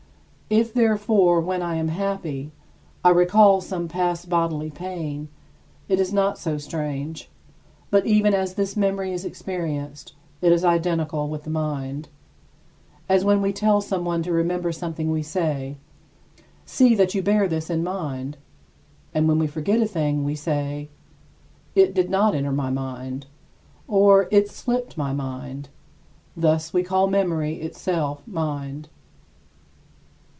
If, therefore, when I am happy, I recall some past bodily pain, it is not so strange. But even as this memory is experienced, it is identical with the mind as when we tell someone to remember something we say, "See that you bear this in mind"; and when we forget a thing, we say, "It did not enter my mind" or "It slipped my mind." Thus we call memory itself mind.